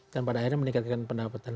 dan pada akhirnya meningkatkan pendapatan